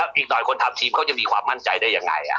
อีกหน่อยคนทำทีมเขาจะมีความมั่นใจได้ยังไง